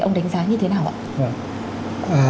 ông đánh giá như thế nào ạ